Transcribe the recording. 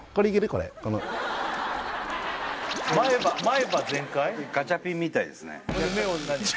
これこのガチャピンみたいですね